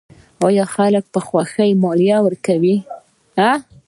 آیا خلک په خوښۍ مالیه ورکوي؟